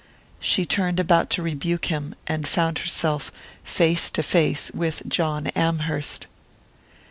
She turned about to rebuke him, and found herself face to face with John Amherst.